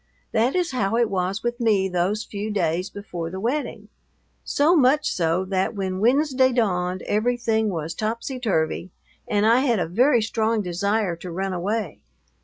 That is how it was with me those few days before the wedding; so much so that when Wednesday dawned everything was topsy turvy and I had a very strong desire to run away.